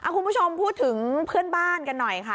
คุณผู้ชมพูดถึงเพื่อนบ้านกันหน่อยค่ะ